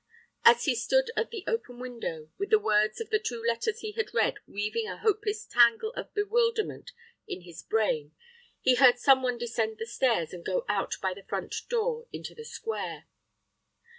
As he stood at the open window, with the words of the two letters he had read weaving a hopeless tangle of bewilderment in his brain, he heard some one descend the stairs and go out by the front door into the square.